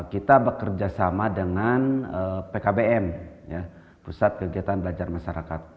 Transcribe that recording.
kita bekerja sama dengan pkbm pusat kegiatan belajar masyarakat